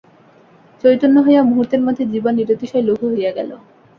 চৈতন্য হইয়া মুহূর্তের মধ্যে জীবন নিরতিশয় লঘু হইয়া গেল।